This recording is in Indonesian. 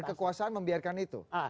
dan kekuasaan membiarkan itu